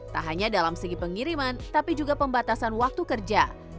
tak hanya dalam segi pengiriman tapi juga pembatasan waktu kerja